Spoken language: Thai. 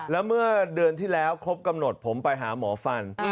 แล้วเมื่อเดือนที่แล้วครบกำหนดผมไปหาหมอฟัน